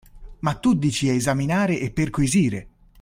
Ma tu dici esaminare e perquisire!